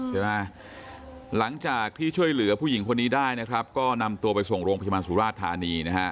หลังจากที่ช่วยเหลือผู้หญิงคนนี้ได้นะครับก็นำตัวไปส่งโรงพยาบาลสุราชธานีนะฮะ